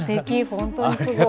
本当にすごい。